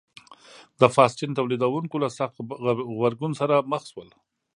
د فاسټین تولیدوونکو له سخت غبرګون سره مخ شول.